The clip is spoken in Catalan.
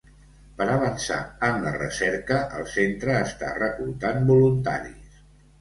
Per avançar en la recerca, el centre està reclutant voluntaris.